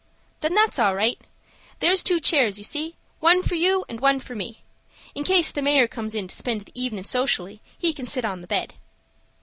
"Then that's all right. There's two chairs, you see, one for you and one for me. In case the mayor comes in to spend the evenin' socially, he can sit on the bed."